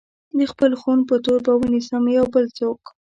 د خپل خون په تور به ونيسم يو بل څوک